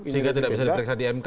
sehingga tidak bisa diperiksa di mk